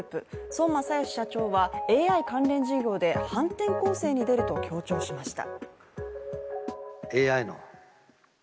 孫正義社長はＡＩ関連事業で反転攻勢に出ると強調しました。